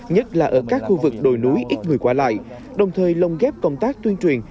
nhất là ở các khu vực đồi núi ít người qua lại đồng thời lồng ghép công tác tuyên truyền